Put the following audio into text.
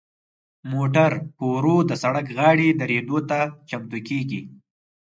موټر په ورو د سړک غاړې دریدو ته چمتو کیږي.